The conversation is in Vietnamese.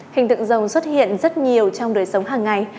hình tượng rồng xuất hiện rất nhiều trong đời sống hàng ngày